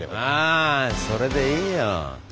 ああそれでいいよ。